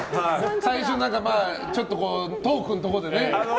最初ちょっとトークのところでね。